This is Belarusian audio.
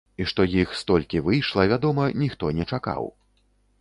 І што іх столькі выйшла, вядома, ніхто не чакаў.